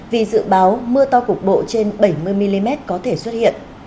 vì dự báo mưa to cục bộ trên bảy mươi mm có thể xuất hiện